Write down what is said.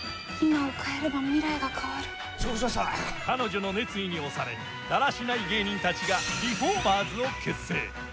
彼女の熱意に押されだらしない芸人たちがリフォーマーズを結成。